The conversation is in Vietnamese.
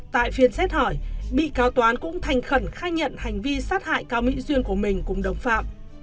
tại phiên xét hỏi bị cáo toán cũng thành khẩn khai nhận hành vi sát hại cao mỹ duyên của mình cùng đồng phạm